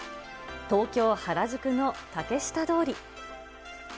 東京・原宿の竹下通り。